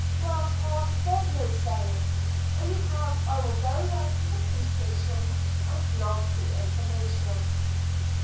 "Well, Tom, there's no saying. Anyhow, I will go round to the police station and lodge the information."